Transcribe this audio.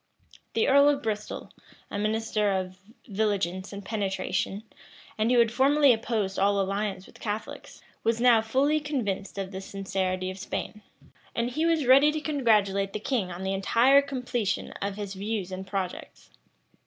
The earl of Bristol, a minister of vigilance and penetration, and who had formerly opposed all alliance with Catholics,[*] was now fully convinced of the sincerity of Spain; and he was ready to congratulate the king on the entire completion of his views and projects.